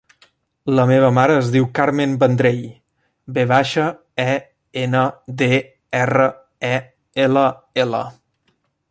La meva mare es diu Carmen Vendrell: ve baixa, e, ena, de, erra, e, ela, ela.